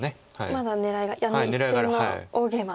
まだ狙いが１線の大ゲイマ。